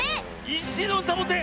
いしのサボテン！